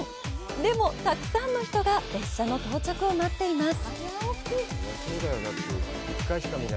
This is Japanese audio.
でも、たくさんの人が列車の到着を待っています。